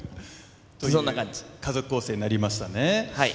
そんな感じという家族構成になりましたね